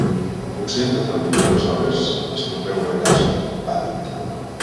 Potser en determinades hores es pot beure a casa, ha dit.